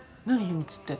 秘密って。